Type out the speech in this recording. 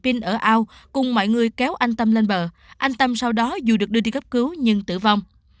pin ở ao cùng mọi người kéo anh tâm lên bờ anh tâm sau đó dù được đưa đi cấp cứu nhưng tử vong